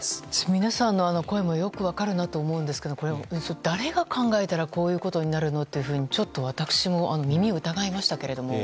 皆さんの声もよく分かるなと思うんですけれどもこれは誰が考えたらこういうふうになるのってちょっと私も耳を疑いましたけれども。